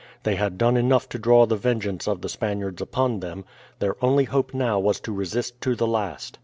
They had done enough to draw the vengeance of the Spaniards upon them; their only hope now was to resist to the last.